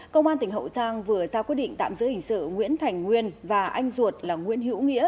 công an tỉnh hậu giang vừa ra quyết định tạm giữ hình sự nguyễn thành nguyên và anh ruột là nguyễn hữu nghĩa